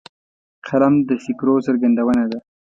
قلم د فکرو څرګندونه ده